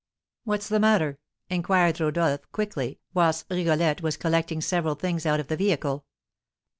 "What's the matter?" inquired Rodolph, quickly, whilst Rigolette was collecting several things out of the vehicle.